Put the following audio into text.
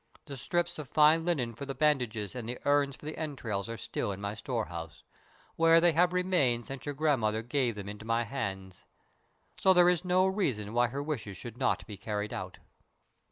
The strips of fine linen for the bandages and the urns for the entrails are still in my storehouse, where they have remained since your grandmother gave them into my hands; so there is no reason why her wishes should not be carried out."